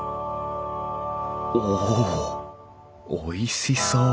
おおっおいしそう！